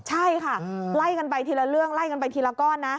ใช่ค่ะไล่กันไปทีละเรื่องไล่กันไปทีละก้อนนะ